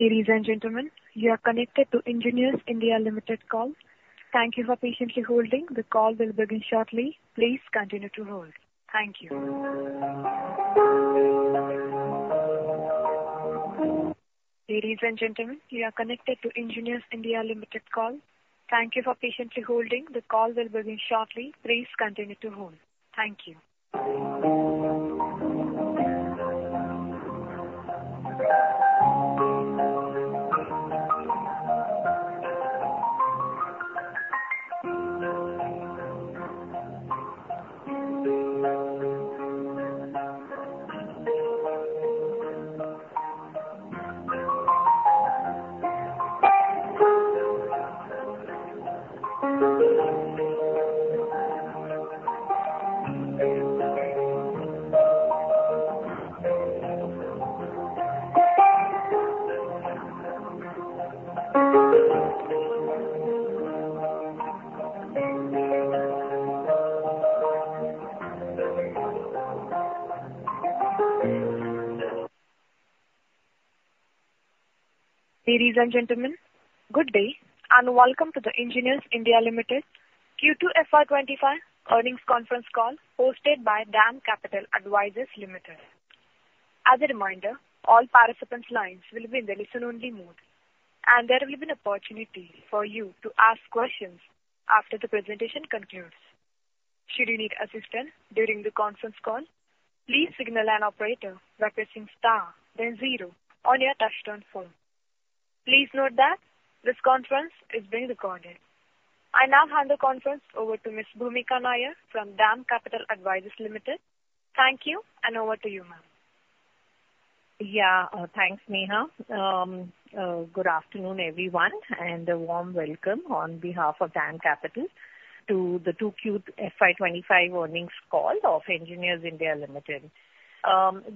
Ladies and gentlemen, you are connected to Engineers India Limited call. Thank you for patiently holding. The call will begin shortly. Please continue to hold. Thank you. Ladies and gentlemen, you are connected to Engineers India Limited call. Thank you for patiently holding. The call will begin shortly. Please continue to hold. Thank you. Ladies and gentlemen, good day and welcome to the Engineers India Limited Q2 FY25 earnings conference call hosted by DAM Capital Advisors Limited. As a reminder, all participants' lines will be in the listen-only mode, and there will be an opportunity for you to ask questions after the presentation concludes. Should you need assistance during the conference call, please signal an operator by pressing star, then zero on your touch-tone phone. Please note that this conference is being recorded. I now hand the conference over to Ms. Bhoomika Nair from DAM Capital Advisors Limited. Thank you, and over to you, ma'am. Yeah, thanks, Meena. Good afternoon, everyone, and a warm welcome on behalf of DAM Capital to the Q2 FY25 earnings call of Engineers India Limited.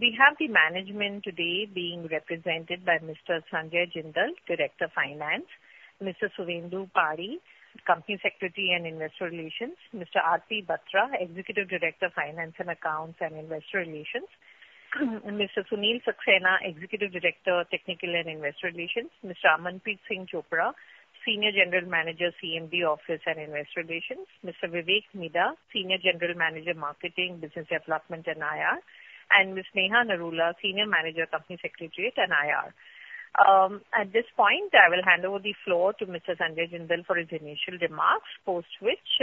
We have the management today being represented by Mr. Sanjay Jindal, Director of Finance, Mr. Suvendu Padhi, Company Secretary and Investor Relations, Mr. Atul Bhartia, Executive Director of Finance and Accounts and Investor Relations, Mr. Sunil Saxena, Executive Director of Technical and Investor Relations, Mr. Amanpreet Singh Chopra, Senior General Manager, CMD Office and Investor Relations, Mr. Vivek Midha, Senior General Manager, Marketing, Business Development and IR, and Ms. Neha Narula, Senior Manager, Company Secretary and IR. At this point, I will hand over the floor to Mr. Sanjay Jindal for his initial remarks, post which,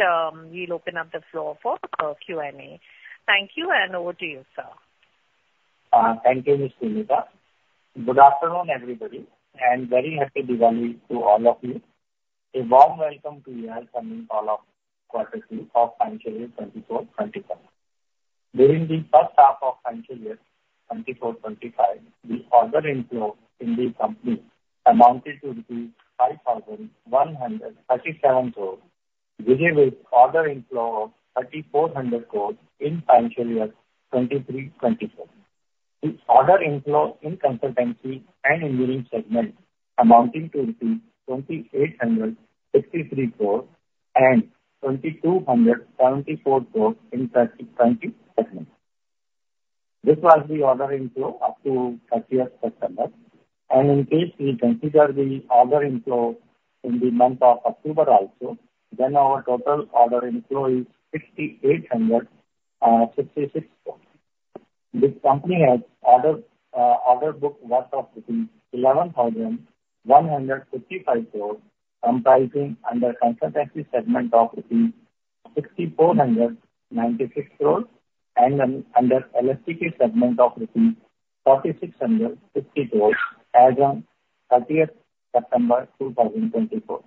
we'll open up the floor for Q&A. Thank you, and over to you, sir. Thank you, Ms. Bhoomika. Good afternoon, everybody, and very happy Diwali to all of you. A warm welcome to you all coming all of quarter two of financial year 2024-25. During the first half of financial year 2024-25, the order inflow in the company amounted to 5,137 crores, with a order inflow of 3,400 crores in financial year 2023-24. The order inflow in consultancy and engineering segment amounted to 2,863 crores and 2,274 crores in the strategic segment. This was the order inflow up to 30th of September, and in case we consider the order inflow in the month of October also, then our total order inflow is 6,866 crores. This company has order book worth of 11,155 crores, comprising under consultancy segment of 6,496 crores and under LSTK segment of rupees 4,650 crores as of 30th of September 2024.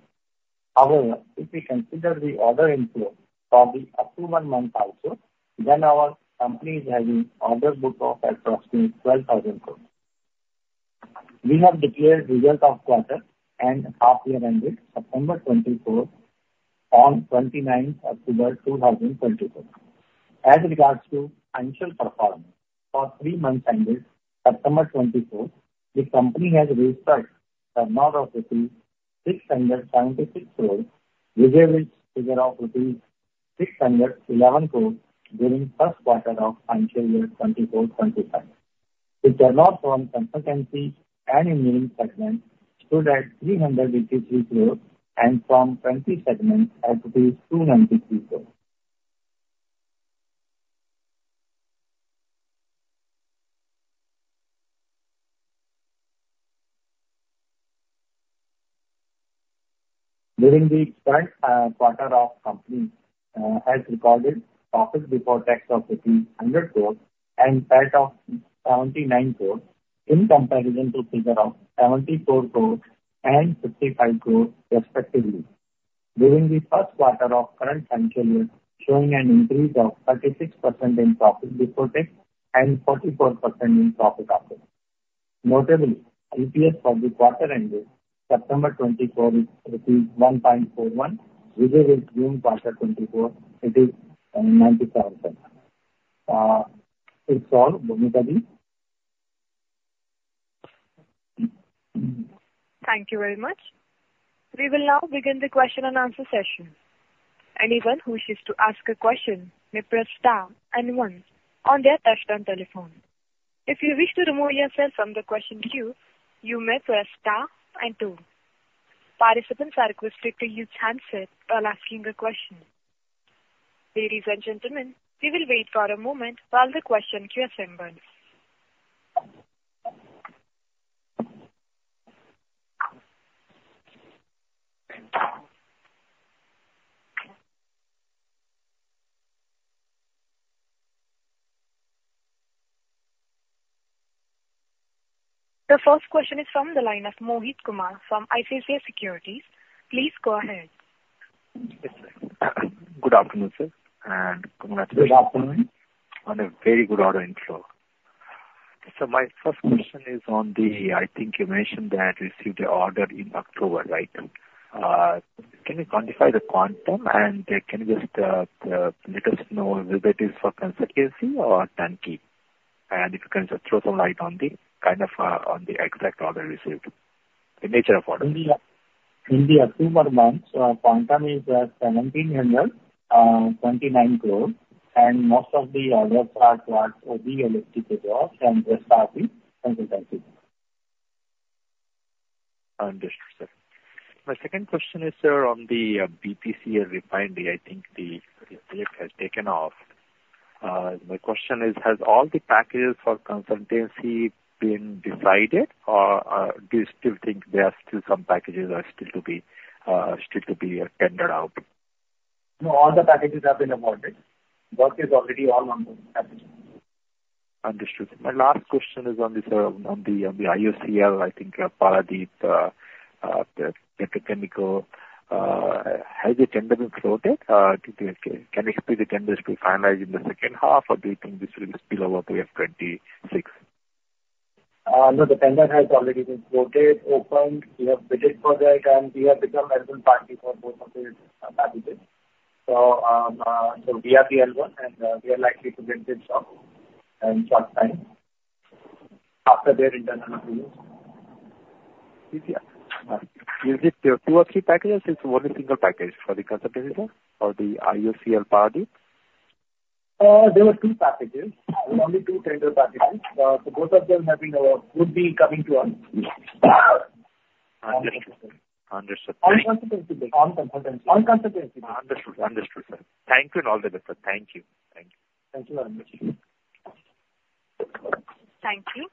However, if we consider the order inflow for the up to one month also, then our company is having order book of approximately 12,000 crores. We have declared result of quarter and half-year end date September 24 on 29th of October 2024. As regards to financial performance, for three months end date September 24, the company has registered the amount of rupees 676 crores, with a figure of rupees 611 crores during the first quarter of financial year 2425. The turnover on consultancy and engineering segment stood at 383 crores and from LSTK segments at 293 crores. During the current quarter of company, as recorded, profit before tax of INR 100 crores and net of INR 79 crores in comparison to the figure of INR 74 crores and INR 55 crores, respectively. During the first quarter of current financial year, showing an increase of 36% in profit before tax and 44% in profit after. Notably, EPS for the quarter end date September 2024 is 1.41, which is June quarter 2024. It is 97%. That's all, Bhoomika ji. Thank you very much. We will now begin the question and answer session. Anyone who wishes to ask a question may press star and one on their touch-tone telephone. If you wish to remove yourself from the question queue, you may press star and two. Participants are requested to use handset while asking a question. Ladies and gentlemen, we will wait for a moment while the question queue assembles. The first question is from the line of Mohit Kumar from ICICI Securities. Please go ahead. Yes, sir. Good afternoon, sir, and congratulations. Good afternoon. On a very good order inflow. So my first question is on the, I think you mentioned that you received the order in October, right? Can you quantify the quantum and can you just let us know whether it is for consultancy or turnkey? And if you can just throw some light on the kind of, on the exact order received, the nature of orders. In the October month, quantum is 1,729 crores, and most of the orders are for OB, LSTK jobs, and rest are consultancy. Understood, sir. My second question is, sir, on the BPCL and refinery, I think the dip has taken off. My question is, has all the packages for consultancy been decided or do you still think there are still some packages that are still to be tendered out? No, all the packages have been awarded. Work is already all on the packages. Understood. My last question is on the IOCL, I think, Paradip Petrochemical. Has the tender been floated? Can you expect the tenders to be finalized in the second half or do you think this will spill over to F26? No, the tender has already been floated, opened. We have bid for that and we have become L1 party for both of the packages. So, so we are the L1 and, we are likely to get this job in short time after their internal approvals. Is it two or three packages? It's one single package for the consultants or the IOCL Paradip? There were two packages, only two tender packages, so both of them have been, would be coming to us. Understood, sir. Understood. On consultancy basis. On consultancy basis. On consultancy basis. Understood, understood, sir. Thank you and all the best, sir. Thank you. Thank you. Thank you very much. Thank you.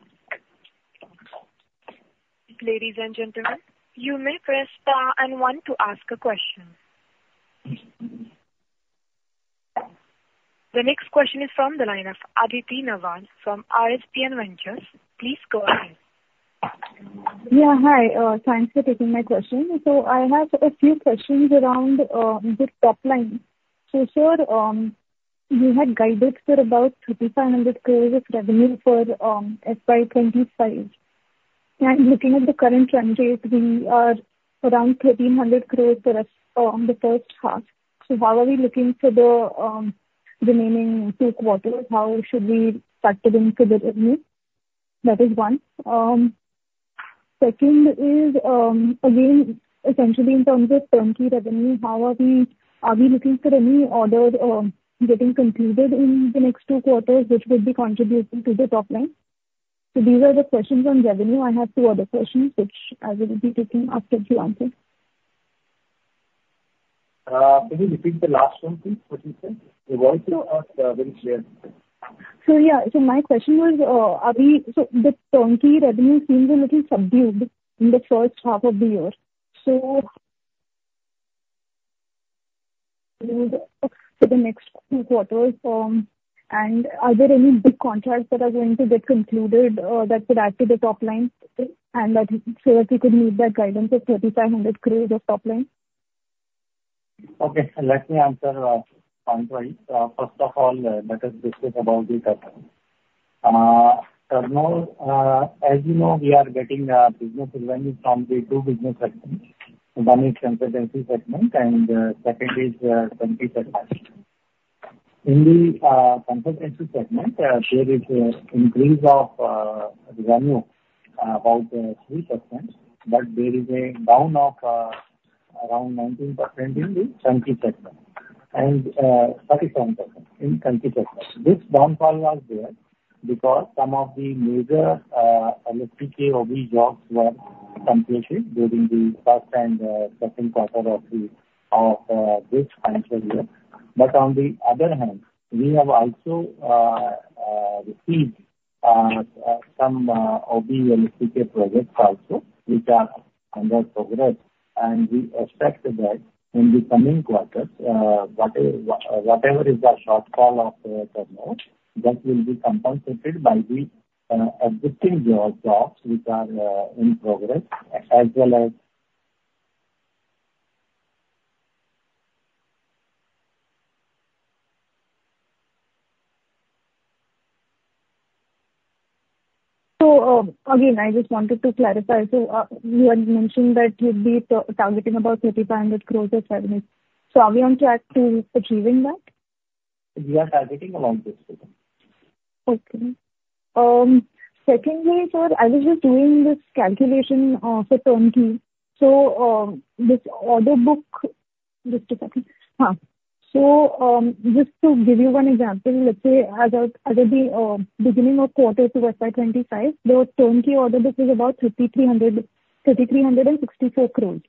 Ladies and gentlemen, you may press star and one to ask a question. The next question is from the line of Aditi Naval from RSPN Ventures. Please go ahead. Yeah, hi. Thanks for taking my question. So I have a few questions around the top line. So, sir, you had guided for about 3,500 crores of revenue for FY25. And looking at the current run rate, we are around 1,300 crores for the first half. So how are we looking for the remaining two quarters? How should we factor in for the revenue? That is one. Second is, again, essentially in terms of turnkey revenue, how are we looking for any order getting completed in the next two quarters, which would be contributing to the top line? So these are the questions on revenue. I have two other questions, which I will be taking after you answer. Can you repeat the last one, please? What you said? It wasn't very clear. My question was, are we, so the turnkey revenue seems a little subdued in the first half of the year. So the next two quarters, and are there any big contracts that are going to get concluded, that could add to the top line and that so that we could meet that guidance of 3,500 crores of top line? Okay. Let me answer, pointwise. First of all, let us discuss about the turnover. Turnover, as you know, we are getting business revenue from the two business segments. One is consultancy segment and the second is turnkey segment. In the consultancy segment, there is an increase of revenue about 3%, but there is a down of around 19% in the turnkey segment and 37% in turnkey segment. This downfall was there because some of the major LSTK OB jobs were completed during the first and second quarter of this financial year. But on the other hand, we have also received some OB LSTK projects also, which are under progress, and we expect that in the coming quarters, whatever is the shortfall of the turnover, that will be compensated by the existing jobs which are in progress as well as. So, again, I just wanted to clarify. So, you had mentioned that you'd be targeting about 3,500 crores of revenue. So are we on track to achieving that? We are targeting around this figure. Okay. Secondly, sir, I was just doing this calculation for turnkey. So, this order book, just a second. So, just to give you one example, let's say as of, as of the beginning of quarter two FY25, the turnkey order book was about 3,300, 3,364 crores,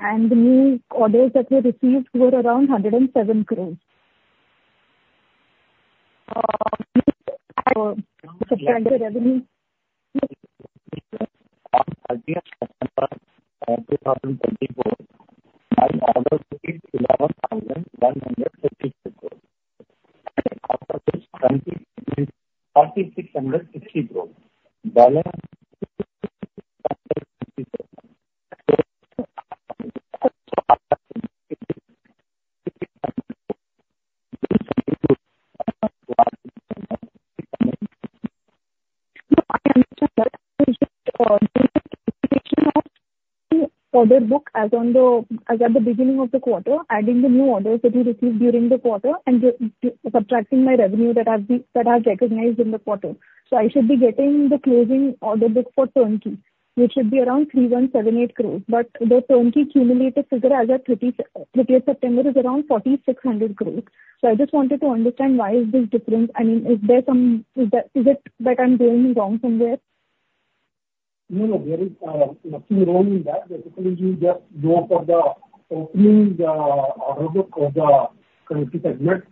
and the new orders that were received were around 107 crores. You had subtracted revenue. At the end of September 2024, my orders were INR 11,150 crores, and after which turnkey was INR 4,660 crores, dollars and INR 6,650 crores. So, I understand that I should do the order book as on the, as at the beginning of the quarter, adding the new orders that you received during the quarter and subtracting the revenue that I've recognized in the quarter. So I should be getting the closing order book for turnkey, which should be around 3,178 crores, but the turnkey cumulative figure as of 30th September is around 4,600 crores. So I just wanted to understand why is this difference? I mean, is there some, is that, is it that I'm going wrong somewhere? No, no, there is nothing wrong in that. Basically, you just go for the opening order book of the turnkey segment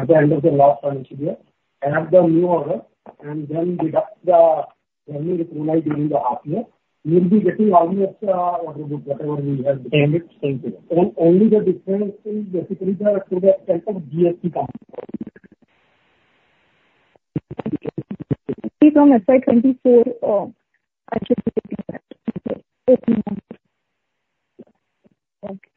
at the end of the last financial year, add the new order, and then deduct the revenue accrued during the half year. You'll be getting almost order book whatever we have decided. Same thing. Only the difference is basically to the extent of GST compliance. Please don't miss my 24, I should be taking that. Okay. Okay. Got it. So my last question on the RFCL opening now, I think you just called me and mentioned you mentioned that it could be the same about 100 crores last time that the number of shares in terms of RFCL could corporate revenue subdued closed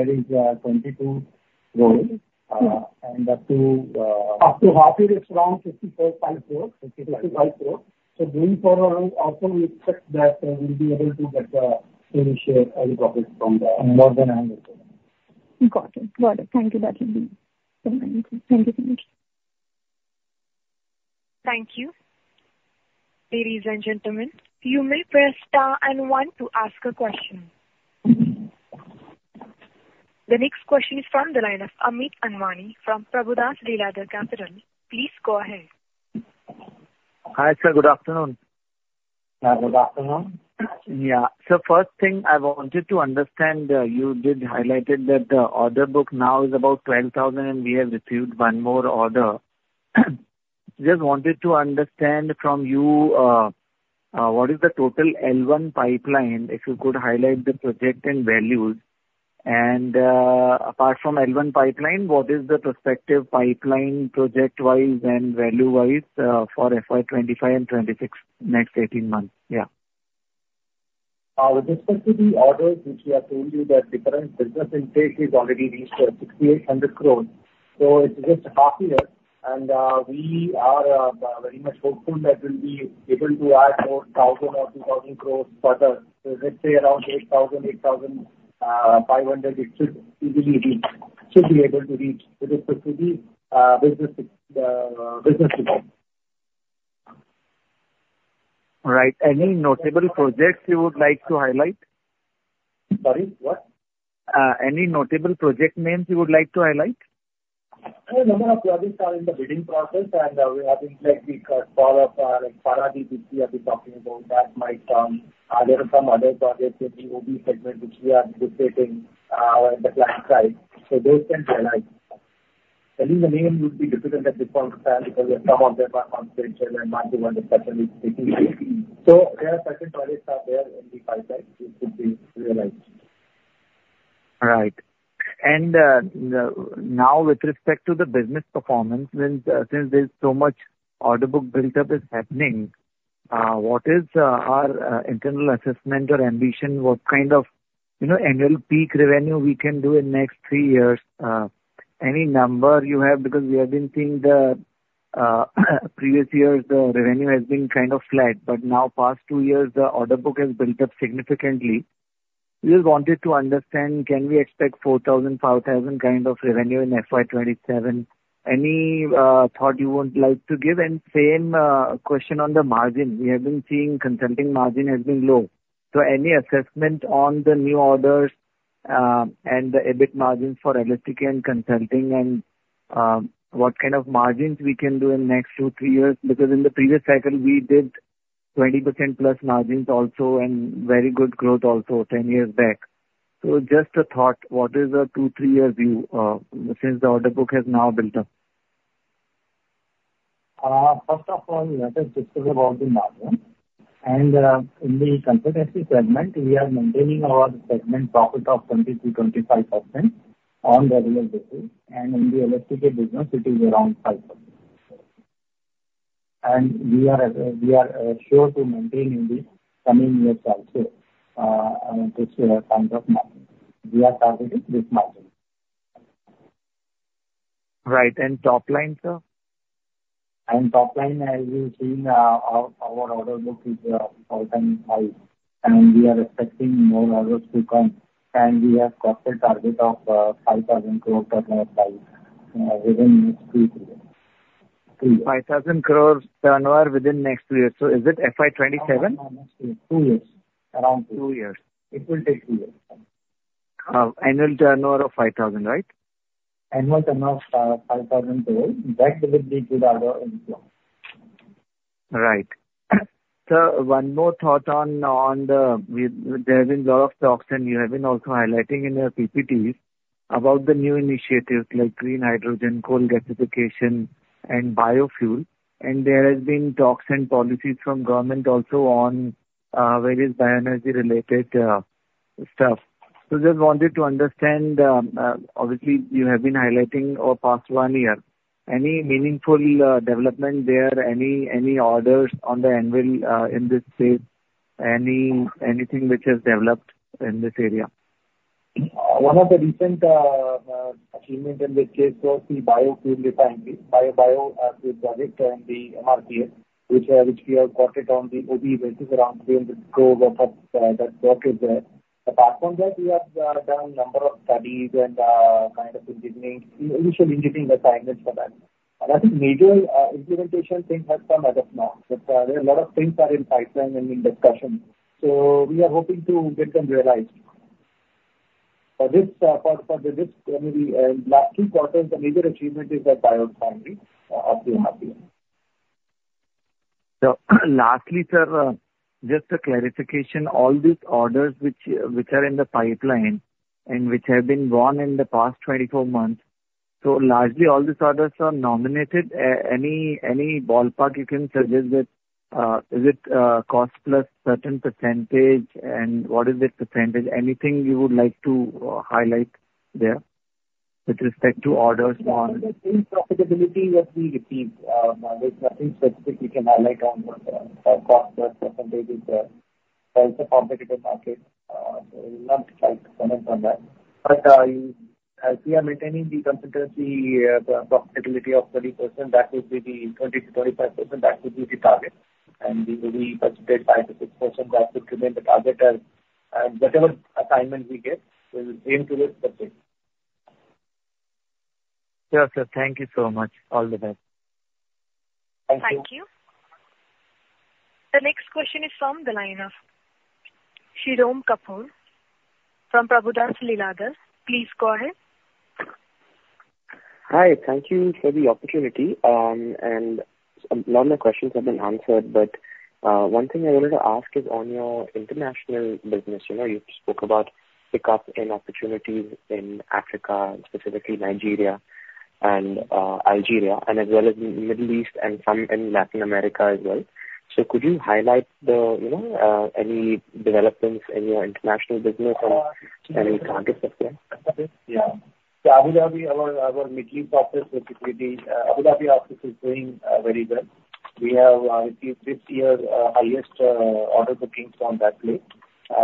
there? Something that I should be reaching for or the bandwidth that the company could be subdued closing that day? In this quarter, we have received. Our profit share is 22 crores, and up to, Up to half year, it's around 54.4-54.5 crores. So going forward, also we expect that we'll be able to get, any share any profit from the. More than 100 crores. Got it. Got it. Thank you, Dr. ji. Thank you so much. Thank you. Ladies and gentlemen, you may press star and one to ask a question. The next question is from the line of Amit Anwani from Prabhudas Lilladher. Please go ahead. Hi, sir. Good afternoon. Yeah, good afternoon. Yeah. So first thing I wanted to understand, you did highlighted that the order book now is about 12,000 and we have received one more order. Just wanted to understand from you, what is the total L1 pipeline if you could highlight the project and values. And apart from L1 pipeline, what is the prospective pipeline project-wise and value-wise, for FY25 and 26 next 18 months? Yeah. With respect to the orders which we have told you that the current business intake is already reached 6,800 crores. So it's just half year, and we are very much hopeful that we'll be able to add more 1,000 or 2,000 crores further. So let's say around 8,000-8,500, it should easily reach, should be able to reach with respect to the business demand. Right. Any notable projects you would like to highlight? Sorry? What? Any notable project names you would like to highlight? A number of projects are in the bidding process and we have been like we caught all of, like Paradip, which we have been talking about. That might, are there some other projects in the OB segment which we are dissecting on the client side. So those can be highlighted. Telling the name would be difficult at this point of time because some of them are conceptual and not too understandable. So there are certain projects out there in the pipeline which could be realized. Right. And now with respect to the business performance, since there's so much order book build-up is happening, what is our internal assessment or ambition? What kind of, you know, annual peak revenue we can do in the next three years? Any number you have? Because we have been seeing the previous years, the revenue has been kind of flat, but now past two years, the order book has built up significantly. We just wanted to understand, can we expect 4,000, 5,000 kind of revenue in FY27? Any thought you would like to give? And same question on the margin. We have been seeing consulting margin has been low. So any assessment on the new orders, and the EBIT margins for LSTK and consulting and, what kind of margins we can do in the next two, three years? Because in the previous cycle, we did 20% plus margins also and very good growth also 10 years back. So just a thought, what is a two, three-year view, since the order book has now built up? First of all, let us discuss about the margin. In the consultancy segment, we are maintaining our segment profit of 22%-25% on a regular basis. In the LSTK business, it is around 5%. We are sure to maintain in the coming years also this kind of margin. We are targeting this margin. Right. And top line, sir? Top line, as you've seen, our order book is all-time high and we are expecting more orders to come. We have got the target of 5,000 crores turnover within next two, three years. 5,000 crores turnover within next two years. So is it FY27? No, no, no, next year. Two years. Around two. Two years. It will take two years. annual turnover of 5,000, right? Annual turnover of INR 5,000 crores, that will be good order in the long run. Right. Sir, one more thought on the where there have been a lot of talks and you have been also highlighting in your PPTs about the new initiatives like green hydrogen, coal gasification, and biofuel. And there have been talks and policies from government also on various bioenergy-related stuff. So just wanted to understand, obviously you have been highlighting over the past one year. Any meaningful development there? Any orders on the anvil in this space? Anything which has developed in this area? One of the recent achievements in this case was the biofuel refinery, biofuel project and the MRPL, which we have got it on the OB basis around INR 300 crore of that work is there. Apart from that, we have done a number of studies and kind of engineering, initial engineering assignments for that. And I think major implementation things have come at us now. But there are a lot of things that are in pipeline and in discussion. So we are hoping to get them realized. For this, for the this anyway, last two quarters, the major achievement is that biofuel refinery of the MRPL. So lastly, sir, just a clarification. All these orders which are in the pipeline and which have been won in the past 24 months, so largely all these orders are nominated. Any ballpark you can suggest that, is it cost plus certain percentage and what is the percentage? Anything you would like to highlight there with respect to orders? No, nothing on profitability that we received. There's nothing specific we can highlight on. Cost plus percentage is also complicated market. Not quite comment on that. But as we are maintaining the consultancy profitability of 20%, that would be the 20%-25%. That would be the target. And we will be budgeted 5%-6%. That would remain the target as whatever assignment we get, we'll aim towards that thing. Sure, sir. Thank you so much. All the best. Thank you. Thank you. The next question is from the line of Sriram Kapoor from Prabhudas Lilladher. Please go ahead. Hi. Thank you for the opportunity. And a lot of my questions have been answered, but one thing I wanted to ask is on your international business. You know, you spoke about pickup in opportunities in Africa, specifically Nigeria and Algeria, and as well as the Middle East and some in Latin America as well. So could you highlight the, you know, any developments in your international business and any targets up there? Yeah. So Abu Dhabi, our Middle East process is really Abu Dhabi office is doing very well. We have received this year highest order bookings from that place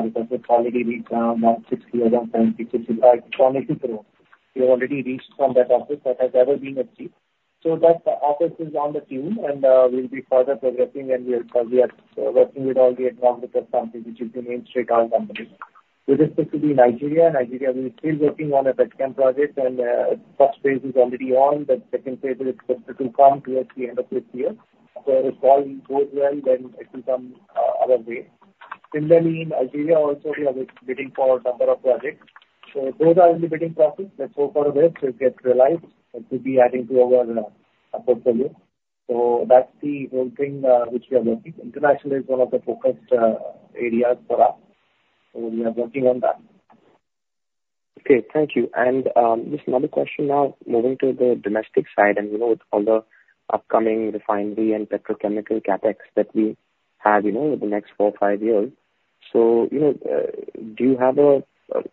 because it's already reached around INR 160-180 crores. We have already reached from that office that has never been achieved. So that office is on the queue and we'll be further progressing and we are currently working with all the ADNOC companies, which is the main trade oil company. With respect to the Nigeria, Nigeria we're still working on a PetChem project and the first phase is already on, but the second phase is expected to come towards the end of this year. So if all goes well, then it will come our way. Similarly, in Algeria also, we are bidding for a number of projects. So those are in the bidding process. Let's hope for the best. We'll get realized. It could be adding to our portfolio. So that's the whole thing, which we are working. International is one of the focused areas for us. So we are working on that. Okay. Thank you, and just another question now, moving to the domestic side and, you know, with all the upcoming refinery and petrochemical CapEx that we have, you know, over the next four, five years. So, you know, do you have a,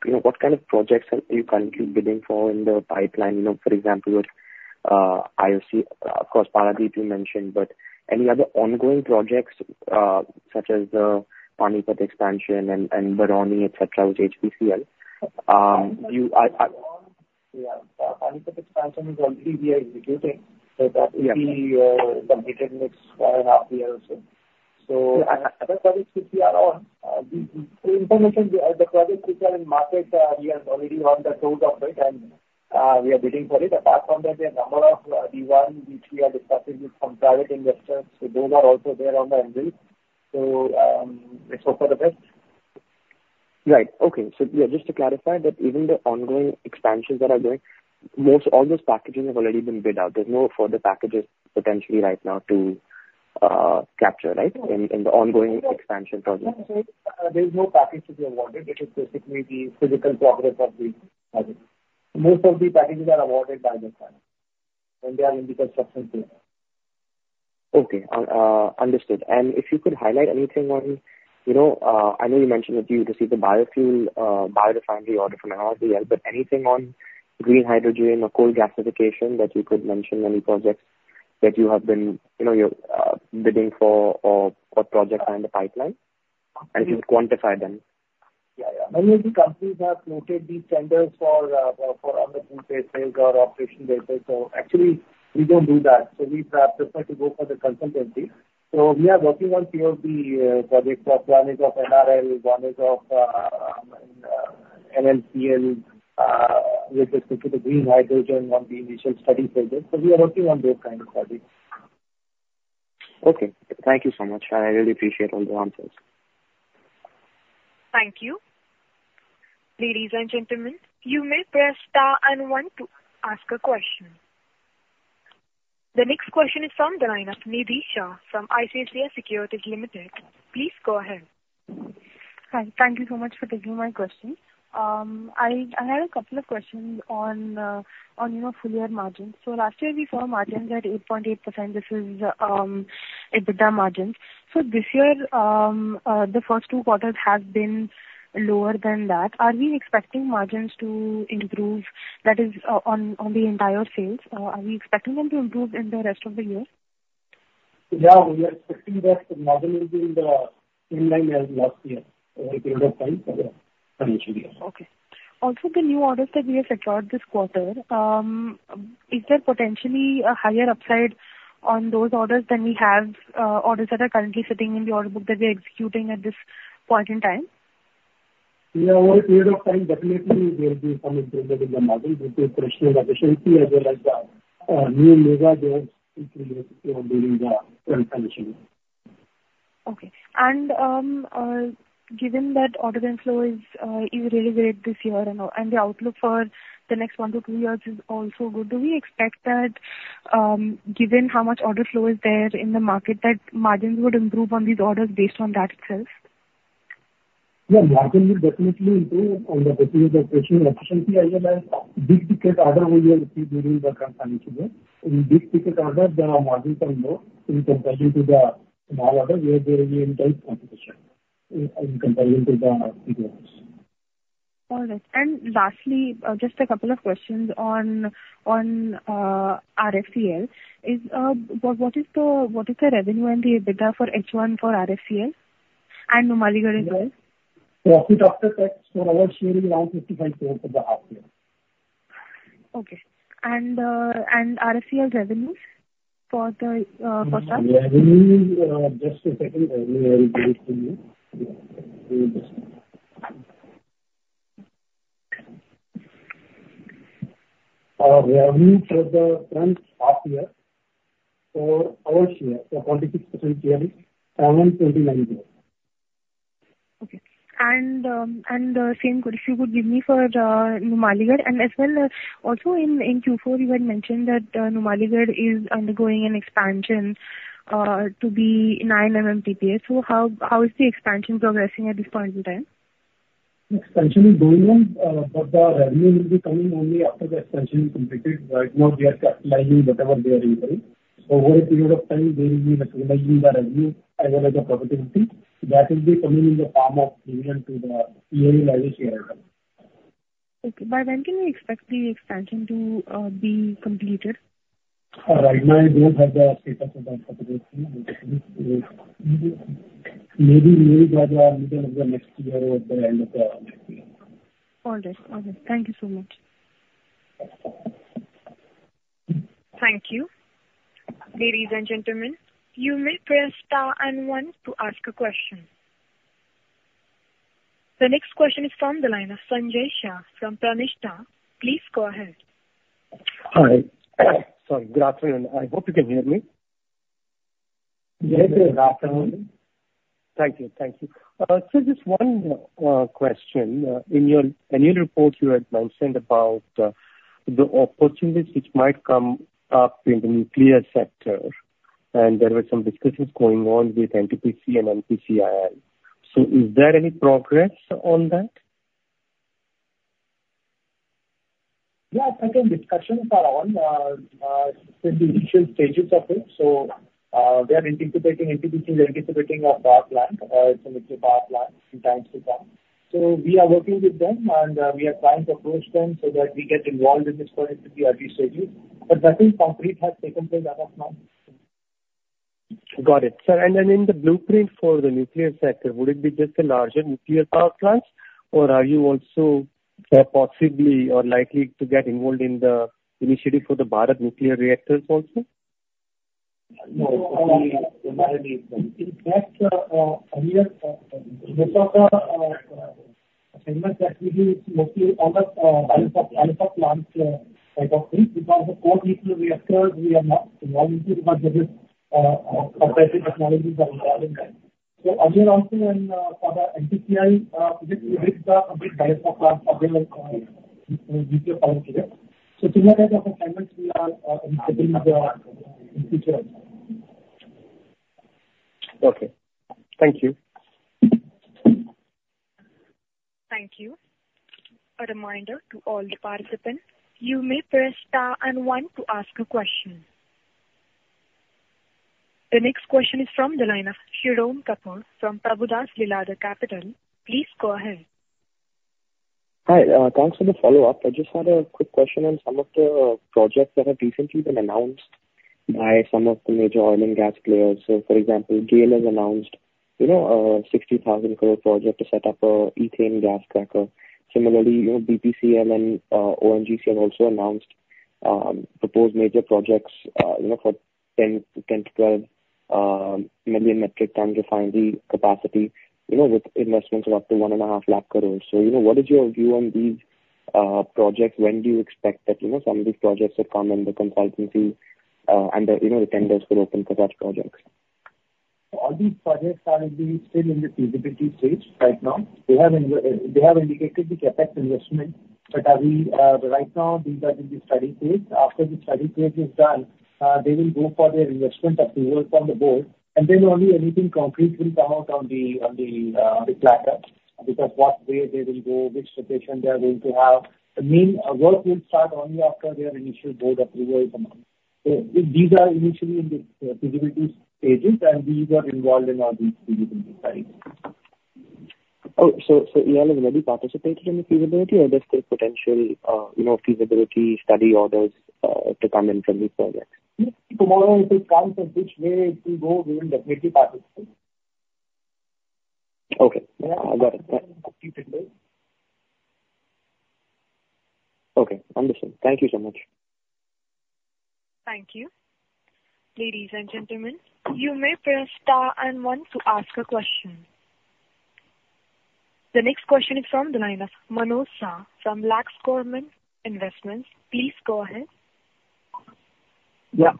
you know, what kind of projects are you currently bidding for in the pipeline? You know, for example, with IOC, of course, Paradip you mentioned, but any other ongoing projects, such as the Panipat expansion and, and Barauni, etc., with HPCL? Yeah. Panipat expansion is already we are executing. So that would be completed next one and a half years or so. So other projects which we are on, the information, the projects which are in market, we have already on the toes of it and we are bidding for it. Apart from that, there are a number of D1, D3 are discussing with some private investors. So those are also there on the anvil. So, let's hope for the best. Right. Okay. So yeah, just to clarify that even the ongoing expansions that are going, most all those packages have already been bid out. There's no further packages potentially right now to capture, right, in the ongoing expansion projects? There's no package to be awarded. It is basically the physical progress of the project. Most of the packages are awarded by the client when they are in the construction phase. Okay. Understood. And if you could highlight anything on, you know, I know you mentioned that you received the biofuel, bio refinery order from NRCL, but anything on green hydrogen or coal gasification that you could mention, any projects that you have been, you know, bidding for or what projects are in the pipeline? And if you could quantify them. Yeah, yeah. Many of the companies have quoted these tenders for the EPC phases or operational data. So actually, we don't do that. So we prefer to go for the consultancy. So we are working on a few of the projects. One is of NRL, one is of NLCL, with respect to the green hydrogen on the initial study phases. So we are working on those kind of projects. Okay. Thank you so much. I really appreciate all the answers. Thank you. Ladies and gentlemen, you may press star and one to ask a question. The next question is from the line of Nidisha from ICICI Securities Limited. Please go ahead. Hi. Thank you so much for taking my question. I have a couple of questions on you know, full year margins. So last year we saw margins at 8.8%. This is, EBITDA margins. So this year, the first two quarters have been lower than that. Are we expecting margins to improve, that is, on the entire sales? Are we expecting them to improve in the rest of the year? Yeah. We are expecting that the margin will be in the same line as last year over a period of time for the financial year. Okay. Also, the new orders that we have secured this quarter, is there potentially a higher upside on those orders than we have, orders that are currently sitting in the order book that we are executing at this point in time? Yeah. Over a period of time, definitely there will be some improvement in the margins due to execution efficiency as well as the new norms that we have introduced during the current financial year. Okay. And, given that order inflow is really great this year and the outlook for the next one to two years is also good, do we expect that, given how much order flow is there in the market, that margins would improve on these orders based on that itself? Yeah. Margin will definitely improve on the decisions of questioning efficiency as well as big ticket order we will receive during the current financial year. In big ticket orders, the margins are low in comparison to the small orders where there is intense competition in comparison to the big orders. All right. And lastly, just a couple of questions on RFCL. What is the revenue and the EBITDA for H1 for RFCL and Numaligarh as well? Profit after tax for our share is around 55 crores for the half year. Okay. And RFCL revenues for the start? Revenue, just a second. Revenue I will give it to you. Revenue for the current half year for our share, so 26% yearly, around INR 29 crore. Okay, and same question you would give me for Numaligarh. Also, in Q4, you had mentioned that Numaligarh is undergoing an expansion to be 9 MMTPA. How is the expansion progressing at this point in time? Expansion is going on, but the revenue will be coming only after the expansion is completed. Right now, we are capitalizing whatever we are incurring. So over a period of time, we will be maximizing the revenue as well as the profitability. That will be coming in the form of premium to the EIL as a shareholder. Okay. By when can we expect the expansion to be completed? Right now, I don't have the status of that possibility. Maybe, maybe by the middle of the next year or the end of the next year. All right. All right. Thank you so much. Thank you. Ladies and gentlemen, you may press star and one to ask a question. The next question is from the line of Sanjay Shah from Pranishta. Please go ahead. Hi. Sorry. Good afternoon. I hope you can hear me. Yes, sir. Good afternoon. Thank you. Thank you. So just one question. In your annual report, you had mentioned about the opportunities which might come up in the nuclear sector, and there were some discussions going on with NTPC and NPCIL. So is there any progress on that? Yeah. Again, discussions are on, in the initial stages of it. So, we are anticipating NTPC is anticipating a power plant, it's a nuclear power plant in times to come. So we are working with them and, we are trying to approach them so that we get involved in this project to be early stages. But nothing concrete has taken place as of now. Got it. Sir, and then in the blueprint for the nuclear sector, would it be just the larger nuclear power plants, or are you also, possibly or likely to get involved in the initiative for the Bharat nuclear reactors also? No. We are in that area. This was a segment that we do mostly all of Balance of Plant type of thing because the core nuclear reactors we are not involved in because there are comparative technologies that are involved in that. So earlier also, for the NPCIL project, we did the complete Balance of Plant for the nuclear power project. So similar type of assignments we are anticipating in the future as well. Okay. Thank you. Thank you. A reminder to all the participants, you may press star and one to ask a question. The next question is from the line of Sriram Kapoor from Prabhudas Lilladher. Please go ahead. Hi. Thanks for the follow-up. I just had a quick question on some of the projects that have recently been announced by some of the major oil and gas players. So for example, GAIL has announced, you know, a 60,000 crore project to set up a ethane gas cracker. Similarly, you know, BPCL and ONGC have also announced proposed major projects, you know, for 10 to 12 million metric tons refinery capacity, you know, with investments of up to 1.5 lakh crores. So, you know, what is your view on these projects? When do you expect that, you know, some of these projects would come in the consultancy, and the, you know, the tenders would open for such projects? All these projects are still in the feasibility stage right now. They have indicated the CapEx investment, but right now, these are in the study phase. After the study phase is done, they will go for their investment approval from the board, and then only anything concrete will come out on the platter because what way they will go, which location they are going to have. The main work will start only after their initial board approval is announced. So these are initially in the feasibility stages, and we got involved in all these feasibility studies. Oh, so EIL has already participated in the feasibility, or there's still potential, you know, feasibility study orders, to come in from these projects? Tomorrow, if it comes and which way it will go, we will definitely participate. Okay. I got it. Okay. Okay. Understood. Thank you so much. Thank you. Ladies and gentlemen, you may press star and one to ask a question. The next question is from the line of Manas from Laxmi Gajanand. Please go ahead. Yeah.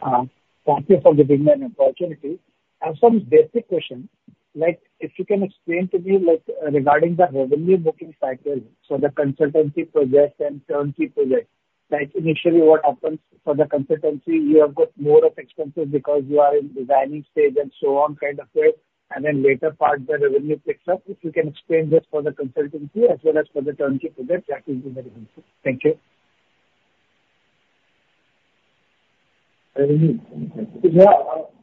Thank you for giving me the opportunity. I have some basic questions. Like, if you can explain to me, like, regarding the revenue recognition cycle, so the consultancy project and turnkey project, like initially what happens for the consultancy, you have got more of expenses because you are in the designing stage and so on kind of way, and then later part the revenue picks up. If you can explain this for the consultancy as well as for the turnkey project, that would be very helpful. Thank you. Yeah.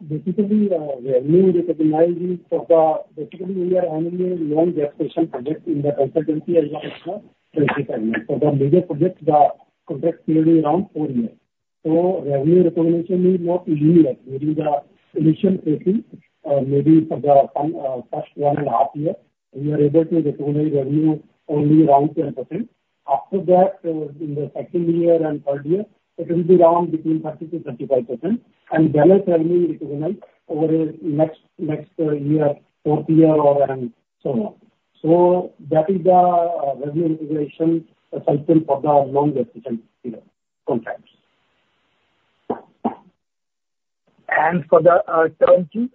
Basically, revenue recognition for basically, we are handling a long-duration project in the consultancy as well as the turnkey segment. For the major projects, the contract period is around four years. So revenue recognition will not be easier during the initial phase in, maybe for the front-end, first one and a half year. We are able to recognize revenue only around 10%. After that, in the second year and third year, it will be around between 30%-35%, and balance revenue recognized over the next year, fourth year, and so on. So that is the revenue recognition cycle for the longest contracts. And for the turnkey?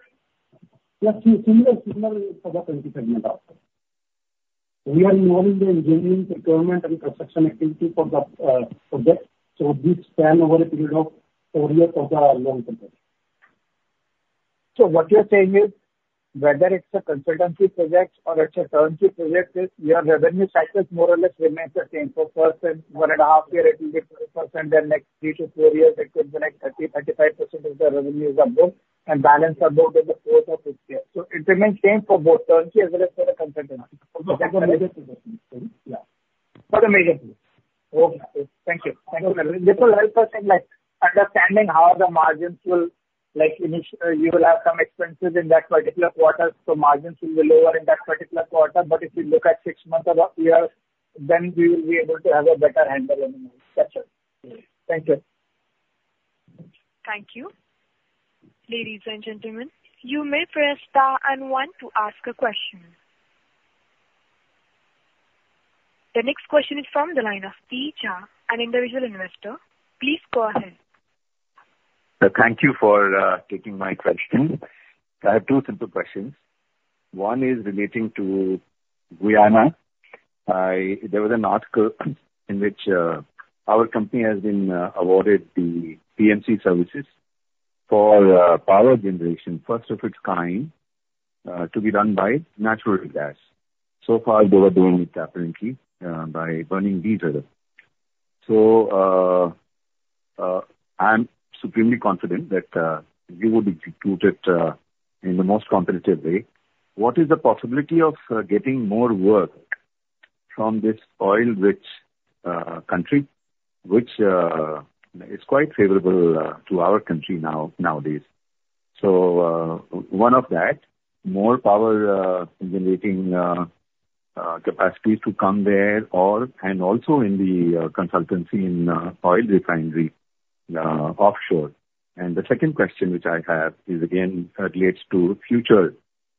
Yes. Similar, similar for the turnkey segment also. We are involved in the engineering, procurement, and construction activity for the project. So this span over a period of four years for the long project. So what you're saying is whether it's a consultancy project or it's a turnkey project, we have revenue cycles more or less remain the same for first and one and a half year it will be 40%, then next three to four years it will be like 30-35% of the revenues above and balance above in the fourth or fifth year. So it remains same for both turnkey as well as for the consultancy. For the major projects. Yeah. For the major projects. Okay. Thank you. Thank you very much. This will help us in, like, understanding how the margins will, like, initially you will have some expenses in that particular quarter, so margins will be lower in that particular quarter. But if you look at six months or a year, then we will be able to have a better handle on the margins. That's all. Thank you. Thank you. Ladies and gentlemen, you may press star and one to ask a question. The next question is from the line of T. Jha, an individual investor. Please go ahead. Thank you for taking my question. I have two simple questions. One is relating to Guyana. There was an article in which our company has been awarded the PMC services for power generation, first of its kind, to be run by natural gas. So far, they were doing it apparently by burning diesel. So, I'm supremely confident that you would execute it in the most competitive way. What is the possibility of getting more work from this oil-rich country, which is quite favorable to our country nowadays? So, one of that, more power generating capacity to come there or, and also in the consultancy in oil refinery, offshore. The second question which I have is, again, it relates to future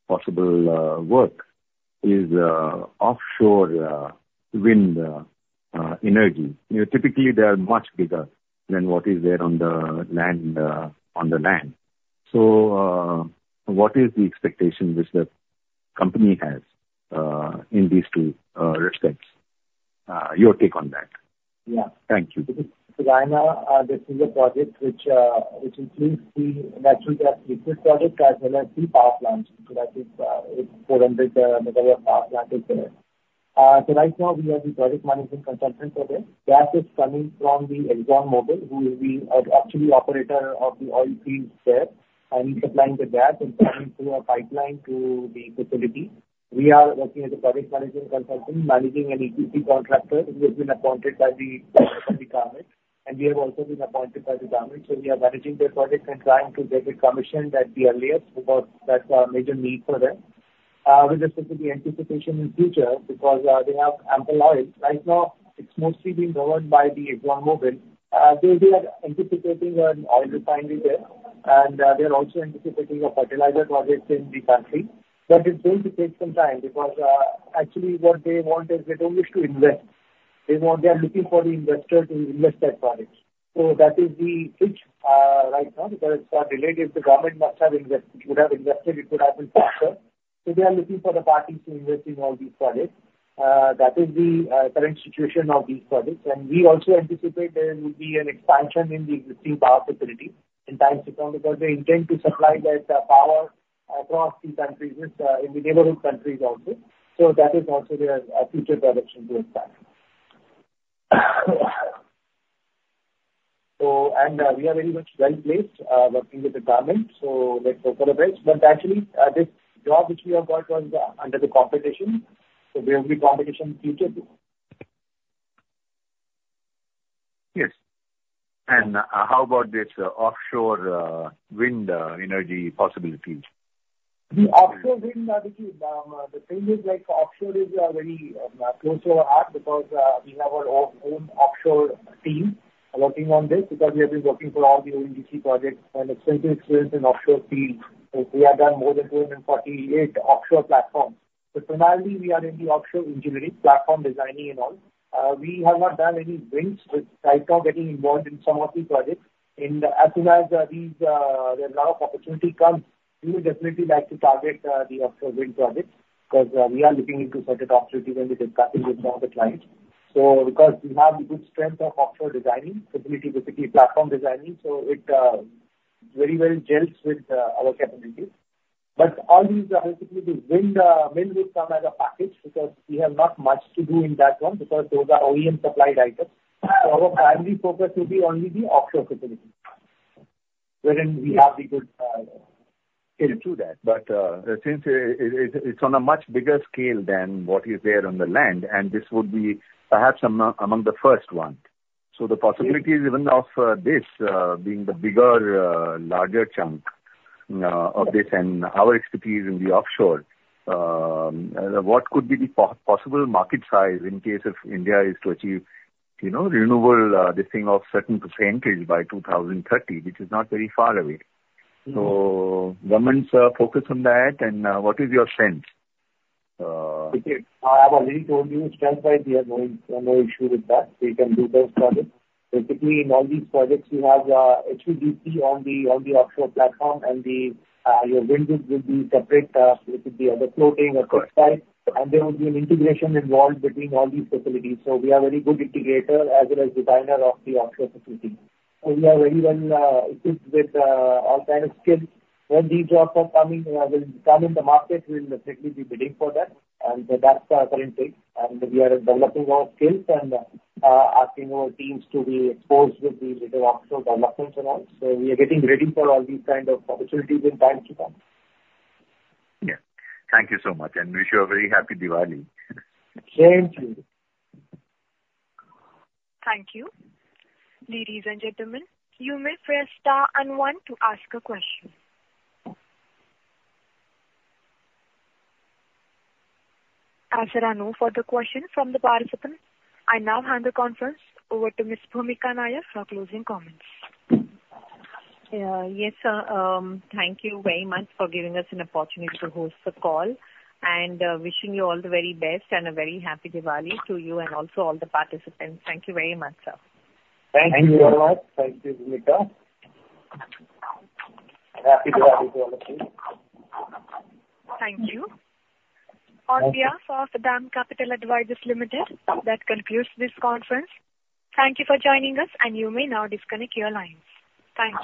possible work, is offshore wind energy. You know, typically they are much bigger than what is there on the land. So, what is the expectation which the company has in these two respects? Your take on that. Yeah. Thank you. Guyana, this is a project which includes the natural gas liquefaction project as well as the power plant. So that is, it's a 400-megawatt power plant. So right now we have a project management consultant for this. Gas is coming from ExxonMobil, who will actually be the operator of the oil fields there, and he's supplying the gas and coming through a pipeline to the facility. We are working as a project management consultant, managing an EPC contractor who has been appointed by the government, and we have also been appointed by the government. So we are managing their projects and trying to get it commissioned at the earliest because that's our major need for them with a specific anticipation in future because they have ample oil. Right now, it's mostly being governed by ExxonMobil. They are anticipating an oil refinery there, and they're also anticipating a fertilizer project in the country. But it's going to take some time because, actually what they want is they don't wish to invest. They want, they are looking for the investor to invest that project. So that is the pitch right now because it's not related. The government must have invested; it would have invested; it would have been faster. So they are looking for the parties to invest in all these projects. That is the current situation of these projects. We also anticipate there will be an expansion in the existing power facility in time to come because they intend to supply that power across these countries, in the neighborhood countries also. So that is also their future direction to expand. We are very much well placed, working with the government, so let's hope for the best. But actually, this job which we have got was under the competition, so there will be competition in the future too. Yes. And how about this: offshore wind energy possibilities? The offshore wind, did you, the thing is, like, offshore is very close to our heart because we have our own offshore team working on this because we have been working for all the ONGC projects and extensive experience in offshore fields. We have done more than 248 offshore platforms, but primarily we are in the offshore engineering, platform designing and all. We have not done any wind, but right now getting involved in some of these projects, and as soon as these there's a lot of opportunity comes, we would definitely like to target the offshore wind projects because we are looking into certain opportunities when we're discussing with some of the clients. So because we have the good strength of offshore designing, facility-specific platform designing, so it very well gels with our capabilities. But all these are basically the wind would come as a package because we have not much to do in that one because those are OEM-supplied items. So our primary focus will be only the offshore facilities, wherein we have good skills. To that. But since it's on a much bigger scale than what is there on the land, and this would be perhaps among the first one. So the possibility is even of this being the bigger chunk of this and our expertise in the offshore, what could be the possible market size in case if India is to achieve, you know, renewable this thing of certain percentage by 2030, which is not very far away? So government's focus on that, and what is your sense? Okay. I have already told you strength-wise, we are going to have no issue with that. We can do those projects. Basically, in all these projects, we have HVDC on the offshore platform, and the your wind will be separate, with the other floating or coast side, and there will be an integration involved between all these facilities. So we are a very good integrator as well as designer of the offshore facility. So we are very well equipped with all kind of skills. When these jobs will come in the market, we'll definitely be bidding for that. And that's current date. And we are developing our skills and asking our teams to be exposed with the latest offshore developments and all. So we are getting ready for all these kind of opportunities in time to come. Yeah. Thank you so much, and wish you a very happy Diwali. Same to you. Thank you. Ladies and gentlemen, you may press star and one to ask a question. As there are no further questions from the participants, I now hand the conference over to Ms. Bhoomika Nair for closing comments. Yes, sir. Thank you very much for giving us an opportunity to host the call, and wishing you all the very best and a very happy Diwali to you and also all the participants. Thank you very much, sir. Thank you very much. Thank you. Thank you, Bhoomika. Happy Diwali to all of you. Thank you. On behalf of DAM Capital Advisors Limited, that concludes this conference. Thank you for joining us, and you may now disconnect your lines. Thank you.